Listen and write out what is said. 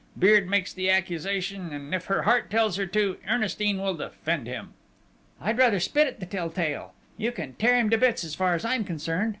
Beard makes the accusation: and, if her heart tells her to, Ernestine will defend him." "I'd rather spit at the tell tale!... You can tear him to bits as far as I'm concerned!"